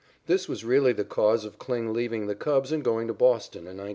This was really the cause of Kling leaving the Cubs and going to Boston in 1911.